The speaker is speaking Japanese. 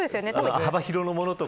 幅広のものとか。